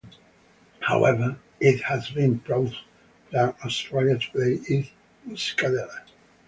However, it has been proven that Australian Tokay is Muscadelle.